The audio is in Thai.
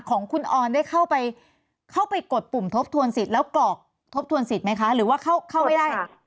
ของคุณออนได้เข้าไปกดปุ่มทบทวนสิทธิ์แล้วกรอกทบทวนสิทธิไหมคะหรือว่าเข้าไม่ได้